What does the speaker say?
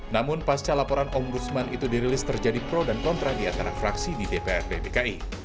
namun pasca laporan ombudsman itu dirilis terjadi pro dan kontra di antara fraksi di dprd dki